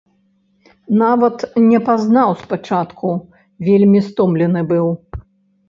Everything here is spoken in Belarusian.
Нават не пазнаў спачатку, вельмі стомлены быў.